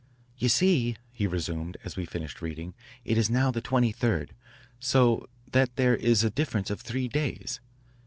"You see," he resumed as we finished reading, "it is now the 23rd, so that there is a difference of three days.